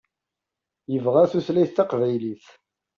Yebɣa tutlayt taqbaylit.